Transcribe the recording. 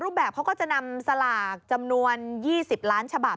แบบเขาก็จะนำสลากจำนวน๒๐ล้านฉบับ